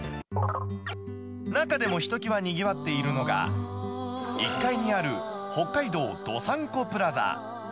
中でもひときわにぎわっているのが、１階にある北海道どさんこプラザ。